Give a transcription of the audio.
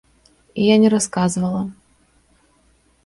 І я не расказвала.